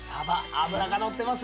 脂がのってます